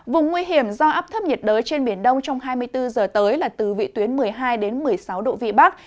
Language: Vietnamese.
vùng nguy hiểm do áp thấp nhiệt đới trên biển đông trong hai mươi bốn h tới là từ vị tuyến một mươi hai một mươi sáu độ vị bắc